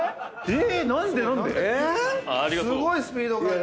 え